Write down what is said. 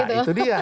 nah itu dia